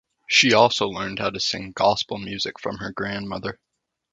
She also learned how to sing gospel music from her grandmother.